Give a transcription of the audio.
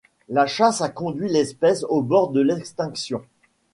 La chasse a conduit l'espèce au bord de l'extinction.